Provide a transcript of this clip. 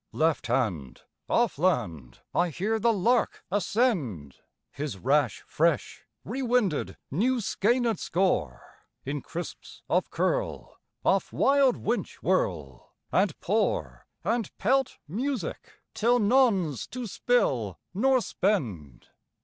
Left hand, off land, I hear the lark ascend, His rash fresh re winded new skeinĶd score In crisps of curl off wild winch whirl, and pour And pelt music, till none's to spill nor spend.